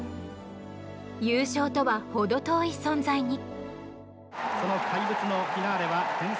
優勝とは程遠い存在に。